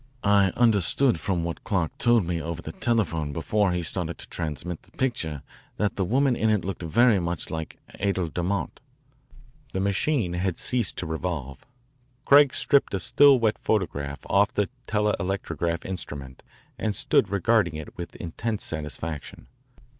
I understood from what Clark told me over the telephone before he started to transmit the picture that the woman in it looked very much like Adel DeMott. Let us see."=20 The machine had ceased to revolve. Craig stripped a still wet photograph off the telelectrograph instrument and stood regarding it with intense satisfaction.